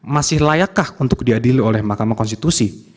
masih layakkah untuk diadili oleh mahkamah konstitusi